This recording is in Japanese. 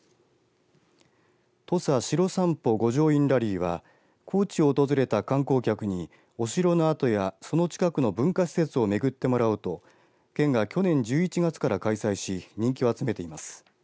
土佐城さんぽ御城印ラリーは高知を訪れた観光客にお城の跡やその近くの文化施設を巡ってもらおうと県が去年１１月から開催し人気を集めています。